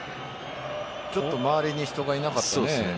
ちょっと周りに人がいなかったね。